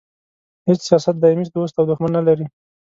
هیڅ سیاست دایمي دوست او دوښمن نه لري.